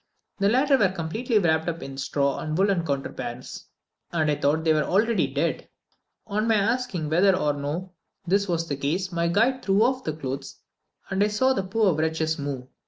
The latter were completely wrapped up in straw and woollen counterpanes, and I thought they were already dead. On my asking whether or no this was the case, my guide threw off the clothes, and I saw the poor wretches move.